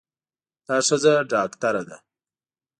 دا ښځه ډاکټره ده.